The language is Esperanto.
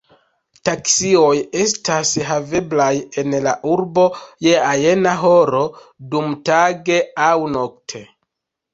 Taksioj estas haveblaj en la urbo je ajna horo dumtage aŭ nokte.